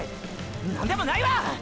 何でもないわ！